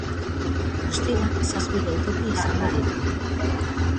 Guztira zazpi geltoki izango ditu.